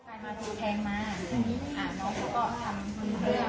สวัสดีครับ